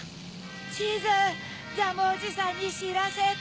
チーズジャムおじさんにしらせて。